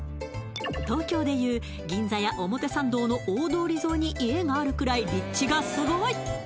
東京でいう銀座や表参道の大通り沿いに家があるくらい立地がすごい！